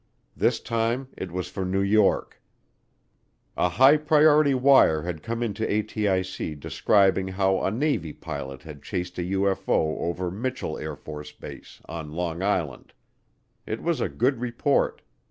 This time it was for New York. A high priority wire had come into ATIC describing how a Navy pilot had chased a UFO over Mitchel AFB, on Long Island. It was a good report.